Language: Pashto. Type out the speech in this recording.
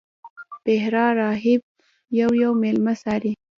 بحیرا راهب یو یو میلمه څاري.